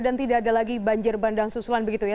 dan tidak ada lagi banjir bandang susulan begitu ya